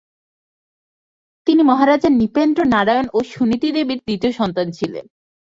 তিনি মহারাজা নৃপেন্দ্র নারায়ণ ও সুনীতি দেবীর দ্বিতীয় সন্তান ছিলেন।